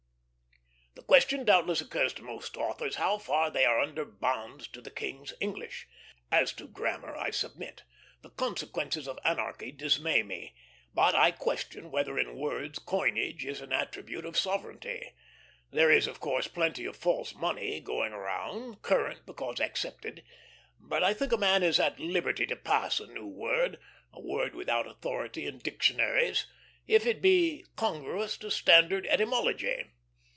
The question doubtless occurs to most authors how far they are under bonds to the King's English. As to grammar, I submit; the consequences of anarchy dismay me; but I question whether in words coinage is an attribute of sovereignty. There is, of course, plenty of false money going around, current because accepted; but I think a man is at liberty to pass a new word, a word without authority in dictionaries, if it be congruous to standard etymology.